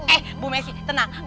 eh bu messi tenang